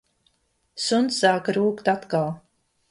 Suns sāka rūkt atkal.